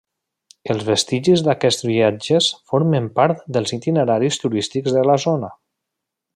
Els vestigis d'aquests vilatges formen part dels itineraris turístics de la zona.